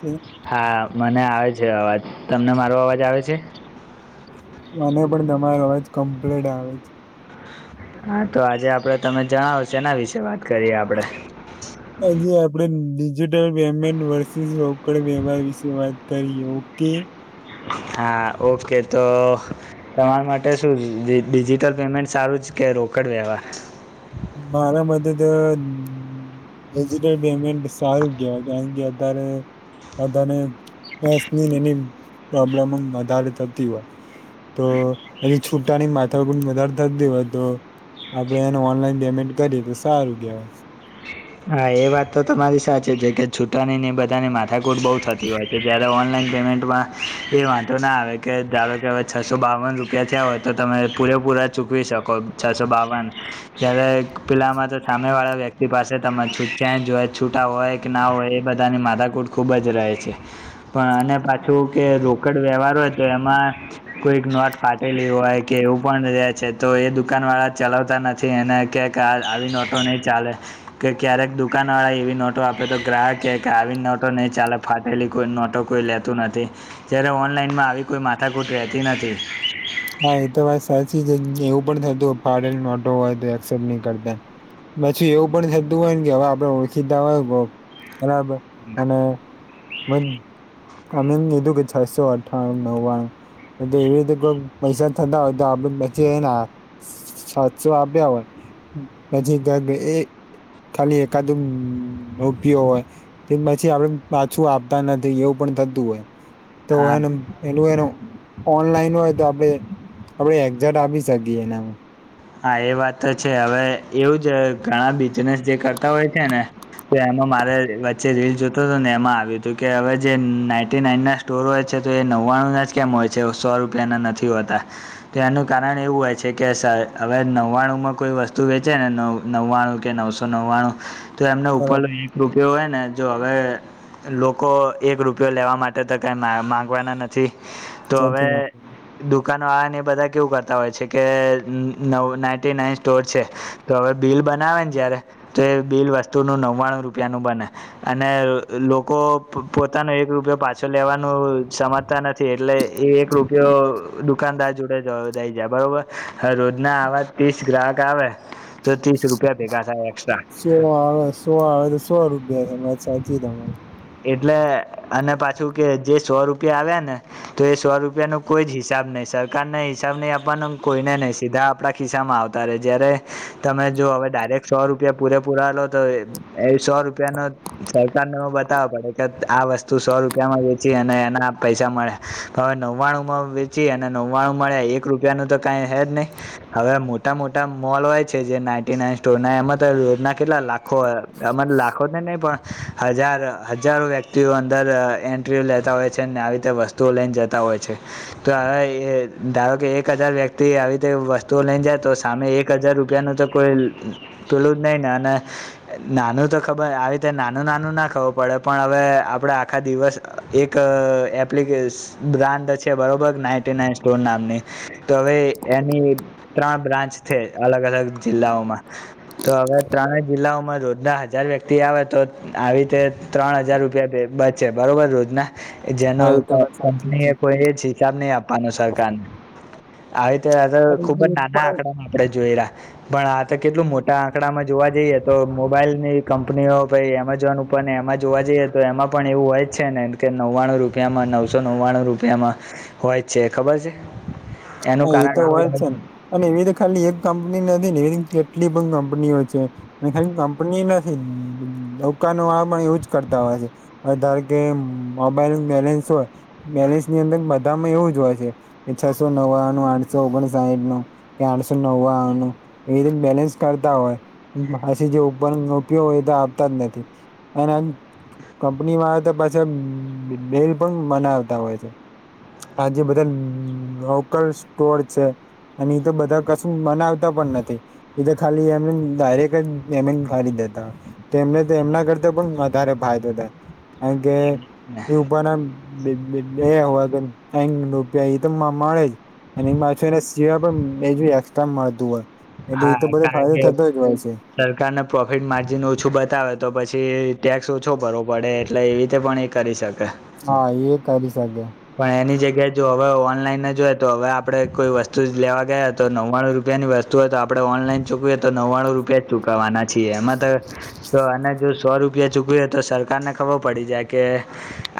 કે [unintelligible] હા મને આવે છે અવાજ તમને મારો અવાજ આવે છે? મને પણ તમારે અવાજ કમ્પ્લેટ આવે. હા તો આજે આપડે તમે જણાવ છો એના વિશેે વાત કરીએે આપડે? હજ આપડે ડિજિટલ પેમેન્ટ વર્સિસ રોકડ વ્યવહાર વિશે વાત કરીએ ઓકે. હા ઓકે તો તમારા માટે શું ડિજિટલ પેમેન્ટ સારું જ કે રોકડ વ્યવહાર? મારા મતે તો ડિજિટલ પેમેન્ટ સારું કેવાય કારણ કે અત્યારે વધ એની પ્રોબ્લેમ વધારે થતી હોય. તો એ છુટાની માથા વધારે થ જ દે હોય તો, આપડે એને ઓનલાઈન પેમેન્ટ કરીએ તો સારું કહેવાય. હા એ વાત તો તમારી સાચી છે કે છૂટાની ની બધાની માથાકૂટ બહુ થતી હોય છે જ્યારે ઓનલાઈન પેમેન્ટમાં. એ વાંધો ના આવે કે ધારો કે હવે છસો બાવન રૂપિયા થયા હોય તો તમે પૂરેપૂરા ચૂકવી શકો. છસો બાવન, જ્યારે પેલામાં તો સામે વાળા વ્યક્તિ પાસે તમે છ ક્યાં જ હોય છૂટા હોય કે ના હોય એ બધાની માથાકૂટ ખુબ જ રહે છે. પણ અને પાછું કે રોકડ વ્યવહાર હોય તો એમાં કોઈક નોટ ફાટેલી હોય કે એવું પણ રહેે છે તો એ દુકાન વાળા ચલાવતા નથી. એને ક્યાંક આવીનેટો નહી ચાલે. કે ક્યારેક દુકાનવાળા એવી નોટો આપે તો ગ્રાહ કહે કે આવી નોટો નહીં ચાલે ફાટેલી કોઈ નોટો કોઈ લેતો નથી, જ્યારે ઓનલાઈનમાં આવી કોઈ માથાકૂટ રહેતી નથી. હા એ તો વાત સાચી જ એવું પણ થતું પાડેલ નોટો હોય તો એસેપ્ટ નહી કરતે. પછી એવું પણ થતું હોય ને કે હવે આપડે ઓળખીતા હોય. બરાબર અને વધ તમે એમ કીધું કે છસો અઠાણું નવ્વાણું તે એવી રીતે કોક પૈસા થતા હોય તો આપણે બચે હે ના સાતસો આપ્યા હોય પછી એ ખાલી એકાદમ રૂપિયો હોય. તો પછી આપડે પાછું આપતા નથી એવું પણ થતું હોય. તો હા એને પેલું એનું ઓનલાઈન હોય તો આપડે આપડે એકજટ આપી શકીએ એનામાં હા એ વાત તો છે હવે એવું જ ઘણા બિઝનેસ જે કરતા હોય છે ને તો એમાં મારે વચ્ચે રીલ જોતો તો ને એમાં આવ્યું તું કે હવે જે નાઈન્ટ નાઈનના સ્ટોર હોય છે તો એ નવ્વાણું ના જ કેમ હોય છે, સો રૂપિયાના નથી હોતા. ત્યાંનું કારણ એવું હોય છે કે [inaudible] હવે નવ્વાણુંમાં કોઈ વસ્તુ વેચે ને નવ નવ્વાણું કે નવસો નવ્વાણું તો એમના ઉપરનો બરાબર એક. રૂપિયો હોય ને જો હવે લોકો એક રૂપિયો લેવા માટે તો કઈ માંગવાના નથ થી તો હવે નથી આપવું દુકાનો વાળાને એ બધા કેવું કરતા હોય છે કે નવ નાઇન્ટી નાઈન સ્ટોર છે તો હવે બિલ બનાવે ને જયારે તો એ બિલ વસ્તુનું નવ્વાણું રૂપિયાનું બને. અને લોકો પોતાનો એક રૂપિયો પાછો લેવાનું સમ તા નથી એટલે એ એક રૂપિયો દુકાનદાર જોડે જ દઈ જાય બરોબર. હવે રોજ ના આવા ત્રીસ ગ્રાહક આવે તો ત્રીસ રૂપિયા ભેગા થાય એક્સ્ટ્રા. સો આવે સો આવે તો સો રૂપિયામાં એ વાત સાચી તમારી. એટલે અને પાછું કે જે સો રૂપિયા આવ્યા ને. તો એ સો રૂપિયાનો કોઈ જ હિસાબ નહી. સરકારને હિસાબ નહી આપવાનો ને કોઈને નહી સીધા આપણા ખિસ્સામાં આવતા રે જયારે તમે જો હવે ડાયરેક્ટ સો રૂપિયા પૂરે પૂરા લો તો એ એ સો રૂપિયાનો સરકાર નો [inaudible] પડે કે આ વસ્તુ સો રૂપિયામાં વેચી અને એના પૈસા મળ્યા. પણ હવે નવ્વાણું માં વેચ ચી અને ન્વાણું મળ્યા. એક રૂપિયાનું તો કાઈ હેજ નહી. હવે મોટા મોટા મોલ હોય છે જે નાઈટી નાન સ્ટોરના એમાં તો રોજના કેટલા લાખ ખો એમાં લાખો તો નહી પણ હજાર. હજારો વ્યક્તિઓ અંદર એન્ટ્રી્યુ લેતા હોય છે ને આવી રીતે વસ્તુઓ લઈને જતા હોય છે. તો હવે ધારો કે એક હજાર વ્યક્તિ આવી રીતે વસ્તુઓ લઈને જાય તો સામે એક એક હજાર રૂપિયાનું તો કોઈ પેલું જ નહી ને અને નાનું તો ખબર આવી રીતે નાનું નાનું ના ખબર પડે પણ હવે આપણે આખા દિવસ એક એપ્લિકેશ બ્રાન્ડ છે બરોબર નાઇટી નાન સ્ટોર નામની તો હવે એની ત્રણ બ્રાન્ચ છે, અલગ અલગ જિલ્લાઓમાં. તો હવે ત્રણેય જિલ્લાઓમાં રોજ ના હજાર વ્યક્તિ આવે તો આવી રીતે ત્રણ હજાર રૂપિયા બચે બરોબર રોજના હા જેનું એ તો વાત સાચી જ કંપની છે એ પણ તો કોઈ એ છે હિસાબ નહી આપવાનું સરકારને. આવી રીતે અગર ખુબ જ એક નાના પણ આંકડામાં આપડે જોઈરા. પણ આ તો કેટલું મોટા આંકડામાં જોવા જઈએ તો મોબાઈલની કંપનીઓ ભઈ એમેઝોન ઉપર ને એમજ જોવા જઈએ તો એમાં પણ એવું હોય જ છે ને કે નવ્વાણું રૂપિયામાં નવસો નવ્વાણું રૂપિયામાં હોય છે ખબર છે? એનું હા, એ તો કારણ આવું જ હોય ને છે. અને એવી તો ખાલી એક કંપની નથી ને એવી કેટલી પણ કંપનીઓ છે. અને ખ કંપની નથી દકા ન આ પણ એજ કરતા હોય છે. અ ધાર કે મોબાઈલ બેલેન્સ હોય. બેલીસ ની અંદર બધામાં એવું જ હોય છે, છસો નવા નું આઠસો ઓગણ સાહીઠ નુ કે આઠસો નવ્વા ન એ રીતે બેલેન્સ કરતા હોય. પાછી જે ઉપર ઉપયોગ હોય એ તો આપતા જ નથી અને કપની વા આવે તો પાછા બલ પણ બનાવતા હોય છે. આજે બધા લોકલ સ્ટોર છે. અને એ તો બધા કશું બનાવતા પણ નથી. એ તો ખાલી એમને ડાયરેક જ એમ ખરી દેતા. મને તો એમના કરતા પણ વધારે ફાયદો થાય, કાર કે ને એભા નામ બે કે રૂપિયા એ ત મળે જ અને માછુ એના સિવા પણ એજ એક્સ્ટ્રા મળતુ હોય એટલે હા એતો બધો કારણ ફાયદો કે થતો જ હોય છે. સરકારને પ્રોફિટ માર્જિન ઓછું બતાવે તો પછી ટેક્સ ઓછો ભરવો પડે એટલે એવી રીતે પણ એક કરી શકે હા એ કરી શકે પણ એની જગ્યાએ જો હવે ઓનલાઈન જોય, તો હવે આપડે કોઈ વસ્તુ જ લેવા ગયા તો નવ્વાણું રૂપિયા ની વસ્તુ હોય તો આપડણે ઓનલાઈન ચૂકવીએ તો નવ્વાણું રૂપિયા જ ચુકવાના છીએ, એમા તો જો સો રૂપિયા ચૂકવ્યા હોય તો સરકારને ખબર પડી જાય કે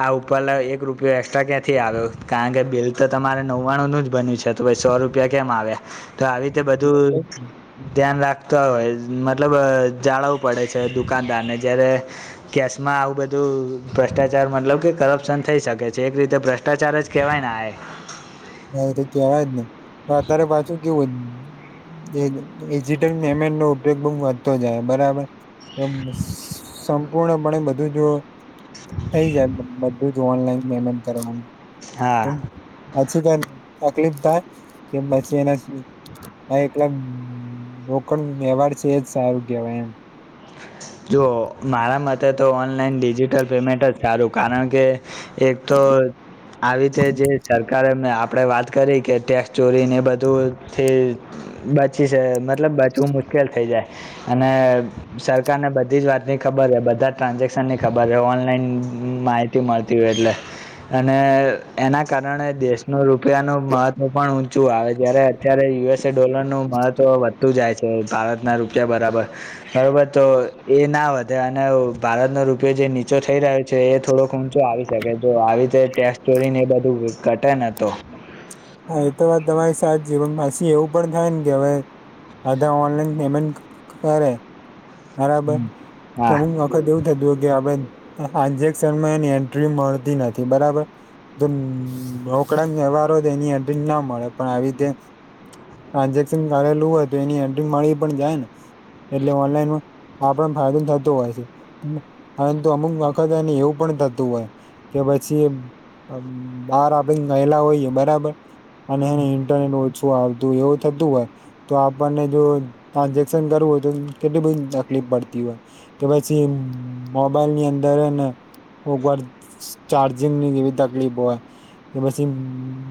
આ ઉપર એક રૂપિયો એક્સ્ટ્રા ક્યાંથી આવ્યો. નથી આવ્યો, કારણ કે બિલ તો તમારું નવ્વાણું રૂપિયાનું જ બન્યું છે, તો ભાઈ સો રૂપિયા કેમ આવ્યા તો આવી રીતે બધુ ધ્યાન રાખતા હોય, મતલબ જાળવવું પડે છે દુકાનદારને જ્યારે કેશમાં આવુ બધુ ભ્રષ્ટાચાર, મતલબ કે કરપ્શન થઈ શકે છે, એક રીતે સાચું જ કહેવાય ને આ હા, એ તો કહેવાય જ ને. તો અત્યારે પાછું કેવું હોય. ડિજિટલ પેમેન્ટનો ઉપયોગ બહુ વધતો જાય છે, બરાબર એ સંપૂર્ણપણે બધું જો એ જ બધું જ ઓનલાઈન પેમેન્ટ કરવાનુ હા પછી કોઈ તકલીફ થાય કે પછી એના હા, એકલા રોકડ વ્યવહાર છે એ જ સારુ કહેવાય એમ જો મારા મતે તો ઓનલાઈન ડિજિટલ પેમેન્ટ જ સારું, કારણ કે એક તો આવી રીતે જે સરકારે આપણે વાત કરી કે ટેક્સ ચોરી અને બધુંથી. બચી છે, મતલબ બચવું મુશ્કેલ થઈ જાય અને સરકારને બધી જ વાતની ખબર હોય, બધા ટ્રાન્ઝેક્શનની ખબર હોય અને ઓનલાઈન માહિતી રહે માહિતી હોય એટલે અને એના કારણે દેશના રૂપિયાનું મહત્વ પણ ઊંચું આવે, જ્યારે અત્યારે યુએસ ડોલરનું મહત્વ વધતું જાય છે, ભારતના રૂપિયા બરાબર બરાબર, તો એ ન વધે અને ભારતનો રૂપિયો જે નીચો થઈ રહ્યો છે. છે એ થોડોક ઊંચો આવી શકે, તો આવી રીતે ટેક્સ ચોરી અને એ બધું ઘટતું હોય. હા, એ તો વાત તમારી સાચી છે. એવું પણ થાય ને કે હવે. બધા ઓનલાઈન પેમેન્ટ કરે, બરાબર વાત હા એવું થતું કે આજકાલ એની એન્ટ્રી મળતી નથી, બરાબર રોકડા વ્યવહાર તો એની એન્ટ્રી ના મળે, પણ આવી રીતે. ટ્રાન્ઝેક્શન કરેલું હોય તો એની એન્ટ્રી મળી પણ જાય ને એટલે ઓનલાઈનમાં આ પણ ફાયદો થતો હોય છે પરંતુ અમુક વખત એવું પણ થતું હોય છે. કે પછી બહાર આપડે ગયલા હોઈએ બરાબર અને એ પણ ઓછું આવતું હોય એવું થતું હોય. તો આપણને જો ટ્રાન્ઝેક્શન કરવું હોય તો કેટલી બધી તકલીફ પડતી હોય કે પછી મોબાઈલની અંદર અને ઉપર સ ચાર્જિંગની એવી તકલીફ હોય. કે પસી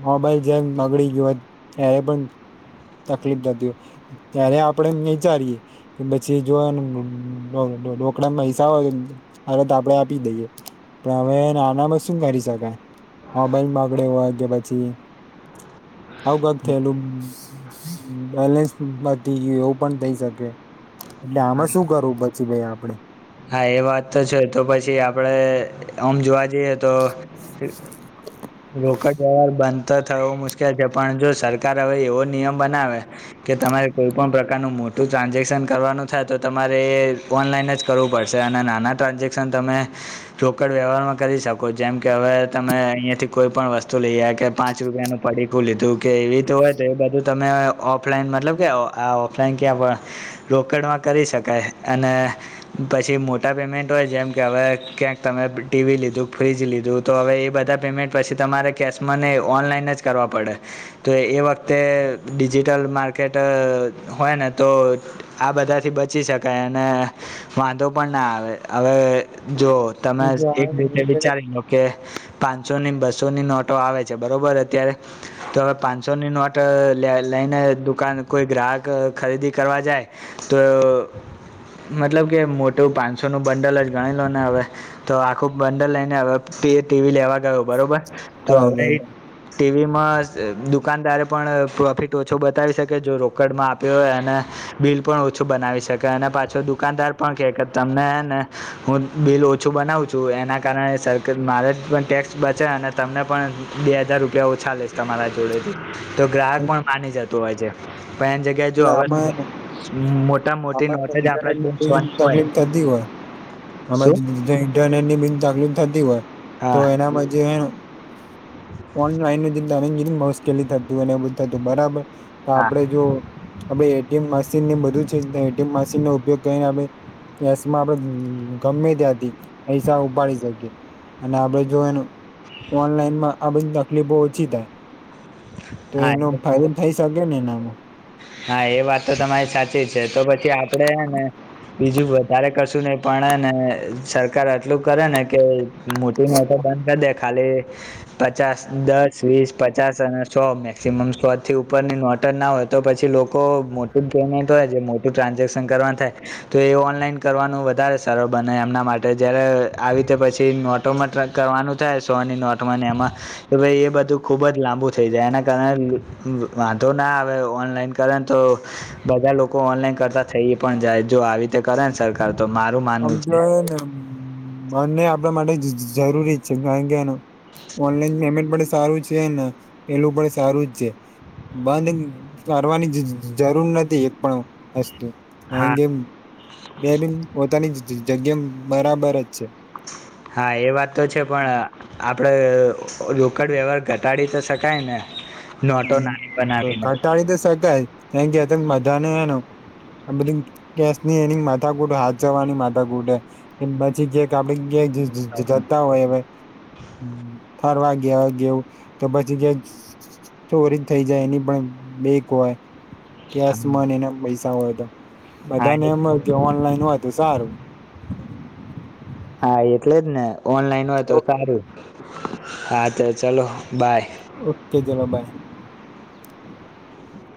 મોબાઈલ જેમ બગડી ગયો હોય ત્યારે પણ તકલીફ થતી ત્યારે આપણે વિચારીએ કે પછી જો એમ રરો રોકડા પૈસા હોય હવે તો આપડે આપી દઈએ. પણ હવે નોર્મલી શું કરી શકયે મોબાઈલ બગડે કે પછી આવું ક્યારેક થયેલું બેલેન્સ પતી ગીયું એવું પણ થઈ શકે એટલે આમાં શું કરું પછી ભાઈ આપણે હા એ વાત તો છે તો પછી આપણે આમ જોવા જઈએ તો [inaudible] [inaudible] રોકડ વ્યવહાર બંધ તો થવો મુશ્કેલ છે પણ જો સરકાર હવે એવો નિયમ બનાવે. કે તમારે કોઈપણ પ્રકારનું મોટું ટ્રાન્ઝેક્શન કરવાનું થાય તો તમારે ઓનલાઈન જ કરવું પડશે અને નાના ટ્રાન્ઝેક્શન તમે રોકડ વ્યવહારમાં કરી શકો જેમ કે હવે તમે અહીંયા થી કોઈ પણ વસ્તુ લઈ આ કે પાંચ રૂપિયાનું પડીકું લીધું કે એવી તો હોય તો એ બધું તમે ઓફલાઈન મતલબ કે આ ઓફલાઇન ક્યાં પણ રોકડમાં કરી શકાય અને પછી મોટા પેમેન્ટ હોય જેમ કે હવે ક્યાંક તમે ટીવી લીધું કે ફ્રીજ લીધું. તો હવે ઈ બધા પેમેન્ટ પછી તમારે કેશ માં નય ઓનલાઈન જ કરવા પડે. તો એ વખતે ડિજિટલ માર્કેટ હોય ને તો આ બધાથી બચી શકાય અને વાંધો પણ ના આવે હવે જો તમે એક ઇચ લો કે ચાર ઇચ લો. કે પાંનસો ની ને બસોની નોટો આવે છે બરોબર અત્યારે તો હવે પાંનસો ની નોટ લઈને દુકાન કોઈ ગ્રાહક ખરીદી કરવા જાય તો મતલબ કે મોટું પાંનસો નું બંડલ જ ગણી લો ને હવે. તો આખું બંડલ લઈને હવે ટીવી ટીવી લેવા ગયો બરોબર તો હવે બરાબર ટીવીમાં દુકાનદારે પણ પ્રોફિટ ઓછો બતાવી શકે જો રોકડમાં આપ્યો હોય અને બિલ પણ ઓછું બનાવી શકે અને પાછો દુકાનદાર પણ કેય કે તમને હેને હું બિલ ઓછું બનાવું છું એના કારણે સર કે મારે પણ ટેક્સ બચે અને તમને પણ બે હજાર રૂપિયા ઓછા લઈશ તમારા જોડેથી તો ગ્રાહક પણ માની જતો હોય છે પણ એની જગ્યા એ જો હવે આમાં મોટા મોટી આમાં નોટ જ આપણેે ઇન્ટરનેટ તકલીફ થતી હોય એમાં શું જો ડિજિટલ ઇન્ટરનેટની બી તકલીફ થતી હોય તો હા એના પછી અ ઓનલાઈન ને જે તમે કીધું એ મુશ્કેલી થતી હોઈ અને એ બધુ થતું હોય બરાબર તો હા આપડે જો હવે એટીએમ મશીનને બધું છે તો એટીએમ મશીનનો ઉપયોગ કરીને આપડે કેશ માં આપડે ગમે ત્યાંથી પૈસા ઉપાડી શકીએ. અને આપડે જોવાનું ઓનલાઈનમાં આ બધી તકલીફો ઓછી થાય. તો હા એનો ફાઇલ થઈ શકે ને એનામાં હા એ વાત તો તમારી સાચી છે તો પછી આપડે હેને બીજું વધારે કશું નહી પણે હેને સરકાર એટલું કરે ને કે મોટી મોટી બંધ કરી દે ખાલી પચાસ દસ વીસ પચાસ અને સો મેક્સિમમ સો થી ઉપરની નોટ જ ના હોય તો પછી લોકો મોટી જ પેમેન્ટ હોય જે મોટ ટુ ટ્રાન્ઝેક્શન કરવાનું થાય તો એ ઓનલાઈન કરવાનું વધારે સરળ બને એમના માટે જયારે આવી રીતે પછી નોટ માં ટ્રક કરવાનું થાય સોની નોટ માં ને એમાં હવે બધું ખુબ જ લાંબુ થઈ જાય એના કારણે વાંધો ના આવે ઓનલાઈન કરેને તો બધા લોકો ઓનલાઈન કરતા થઈ પણ જાય જો આવી રીતે કરે ને સરકાર તો મારું માનવું છે. [unintelligible] બંને આપડા માટે જરૂરી છે કારણકે એનું ઓનલાઈન પેમેન્ટ પણ સારું છે ને પેલું પણ સારું જ છે. બંધ કરવાની જરૂર નથી એક પણ વસ્તુ. કારણ હા કે બે [unintelligible] પોતાની જગ્યા બરાબર જ છે. હા એ વાત તો છે પણ આ આપડે રોકડ વ્યવહાર ઘટાડી તો શકાય ને? નોટો નાની બનાવીને ઘટાળી તો શકાય કારણ કે આ તો બધાને એવું. આ બધી કેસ ની એની માથાકૂટ હાચવવાની માથાકૂટેે. એ પછી જે આપડે કે જ જતા હોય હવે ફરવા ગયા ગયો તો પછી જે ચોરી થઈ જાય એની પણ બીક હોય. કેશમાં ને એને પૈસા હોય તો હા બધા ને એમ હોય કે ઓનલાઈન હોય તો સારું. હા એટલે જ ને ઓનલાઈન હોય તો ઓકે સારું હા તો ચલો બાય. ઓકે ચલો બાય.